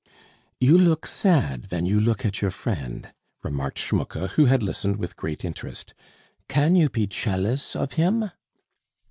"You look sad ven you look at your friend," remarked Schmucke, who had listened with great interest. "Kann you pe chealous of him?"